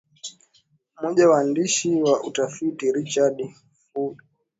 mmoja wa waandishi wa utafiti Richard Fuller